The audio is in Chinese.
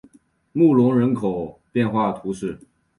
穆龙人口变化图示